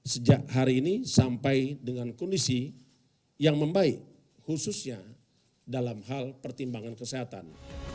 sejak hari ini sampai dengan kondisi yang membaik khususnya dalam hal pertimbangan kesehatan